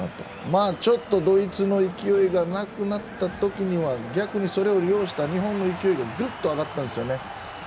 まあちょっとドイツの勢いがなくなった時には逆にそれを利用した日本の勢いがぐっと上がったんですよね。